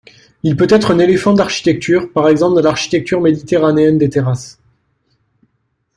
Il peut être un élément d'architecture, par exemple dans l'architecture méditerranéenne des terrasses.